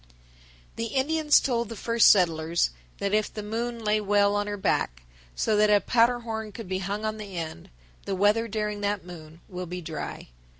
_ 992. The Indians told the first settlers that if the moon lay well on her back, so that a powder horn could be hung on the end, the weather during that moon will be dry.